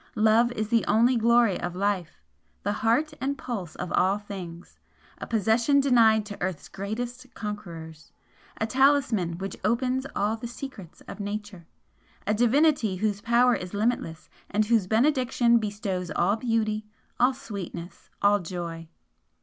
Love is the only glory of Life, the Heart and Pulse of all things, a possession denied to earth's greatest conquerors a talisman which opens all the secrets of Nature a Divinity whose power is limitless, and whose benediction bestows all beauty, all sweetness, all joy!